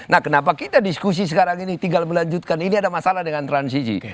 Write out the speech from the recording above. nah kenapa kita diskusi sekarang ini tinggal melanjutkan ini ada masalah dengan transisi